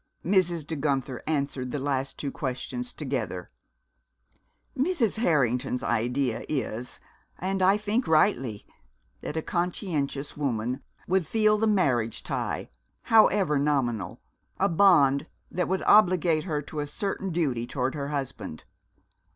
Mrs. De Guenther answered the last two questions together. "Mrs. Harrington's idea is, and I think rightly, that a conscientious woman would feel the marriage tie, however nominal, a bond that would obligate her to a certain duty toward her husband.